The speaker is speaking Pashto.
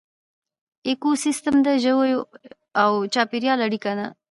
ایکوسیسټم د ژویو او چاپیریال اړیکه ده